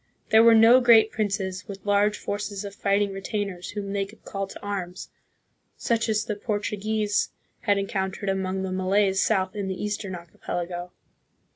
There were no great princes, with large forces of fighting re tainers whom they could call to arms, such as the Portu 140 THE PHILIPPINES. guese had encountered among the Malays south in the Eastern Archipelago.